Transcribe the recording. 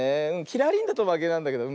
キラリンだとまけなんだけど。